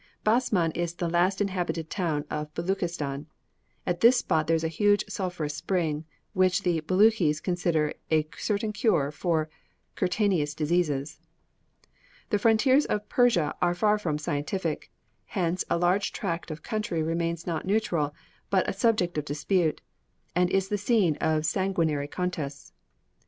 Basman is the last inhabited town of Beluchistan. At this spot there is a hot sulphureous spring, which the Belutchis consider a certain cure for cutaneous diseases. The frontiers of Persia are far from "scientific," hence a large tract of country remains not neutral, but a subject of dispute, and is the scene of sanguinary contests.